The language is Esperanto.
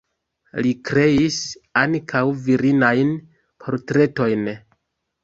Li kreis ankaŭ virinajn portretojn.